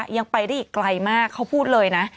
ยังไปได้อีกไกลมากเขาพูดเลยนะ